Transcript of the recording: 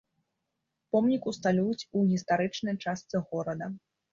Помнік усталююць у гістарычнай частцы горада.